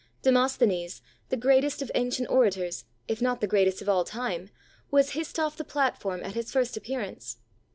Demosthenes, the greatest of ancient orators, if not the greatest of all time, was hissed off the platform at his first appearance.